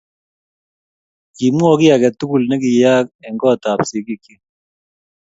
Kimwou kiy age tugul nekikayaak eng' kootab sigiikyik.